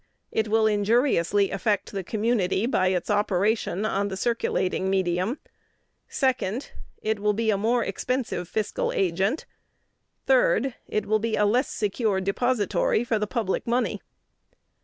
It will injuriously affect the community by its operation on the circulating medium. "2d. It will be a more expensive fiscal agent. "3d. It will be a less secure depository for the public money."